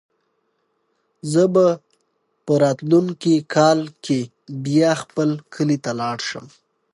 زه به په راتلونکي کال کې بیا خپل کلي ته لاړ شم.